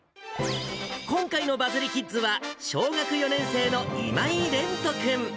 今回のバズりキッズは、小学４年生の今井蓮人君。